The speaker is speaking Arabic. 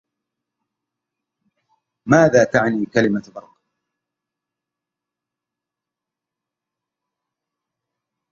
سرى البرق مصريا فأرقني وحدي